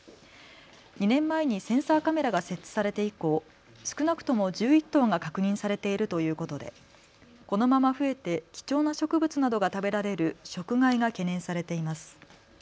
２年前にセンサーカメラが設置されて以降、少なくとも１１頭が確認されているということでこのまま増えて貴重な植物などが食べられる食害が懸念されています。